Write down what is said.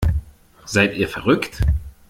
Seid ihr verrückt?